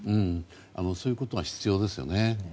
そういうことが必要ですよね。